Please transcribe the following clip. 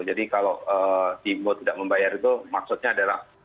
jadi kalau himbauan tidak membayar itu maksudnya adalah